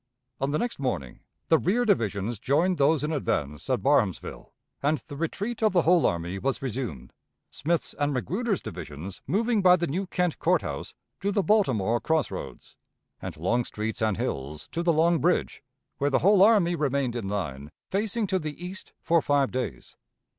On the next morning the rear divisions joined those in advance at Barhamsville, and the retreat of the whole army was resumed Smith's and Magruder's divisions moving by the New Kent Court House to the Baltimore Cross Roads, and Longstreet's and Hill's to the Long Bridge, where the whole army remained in line facing to the east for five days.